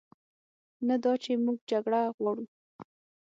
نه دا چې موږ جګړه غواړو،